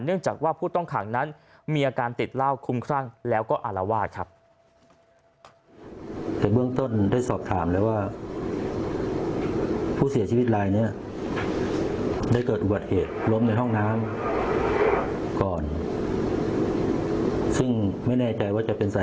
จากว่าผู้ต้องขังนั้นมีอาการติดเหล้าคุ้มครั่งแล้วก็อารวาสครับ